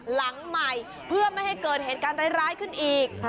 หลังใหม่เพื่อไม่ให้เกิดเหตุการณ์ร้ายขึ้นอีก